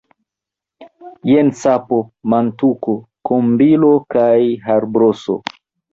Jen sapo, mantuko, kombilo kaj harbroso.